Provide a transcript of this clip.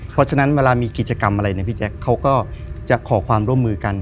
เพราะฉะนั้นเวลามีกิจกรรมอะไรเนี่ยพี่แจ๊คเขาก็จะขอความร่วมมือกัน